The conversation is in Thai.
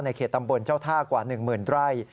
ในเขตำบลเจ้าท่ากว่าหนึ่งหมื่นไร่